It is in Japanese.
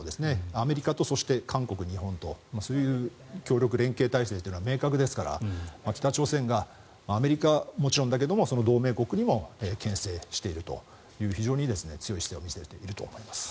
アメリカと、そして韓国、日本とそういう協力連携体制というのは明確ですから、北朝鮮がアメリカはもちろんだけど同盟国にもけん制しているという非常に強い姿勢を見せていると思います。